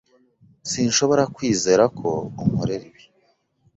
Sinshobora kwizera ko unkorera ibi.